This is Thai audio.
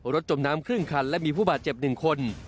จมน้ำครึ่งคันและมีผู้บาดเจ็บ๑คน